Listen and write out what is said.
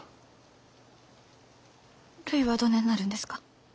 ・るいはどねんなるんですか？